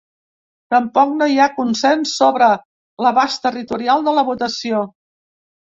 Tampoc no hi ha consens sobre l’abast territorial de la votació.